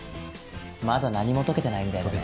まだ何も解けてないみたいだね。